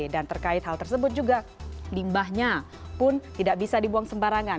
dan terkait hal tersebut juga limbahnya pun tidak bisa dibuang sembarangan